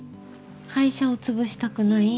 会社を潰したくない。